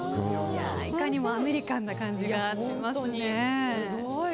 いかにもアメリカンな感じがしますね。